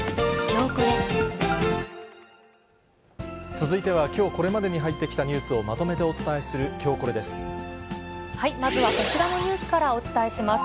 続いては、きょうこれまでに入ってきたニュースをまとめてお伝えするきょうまずはこちらのニュースからお伝えします。